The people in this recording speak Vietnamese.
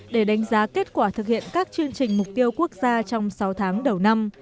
để đánh giá kết quả thực hiện các chương trình mục tiêu quốc gia trong sáu tháng đầu năm